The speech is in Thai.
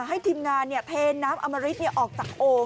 ให้ทิมงานเทนน้ำอามฤทธิ์ออกจากโอ่ง